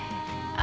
あ！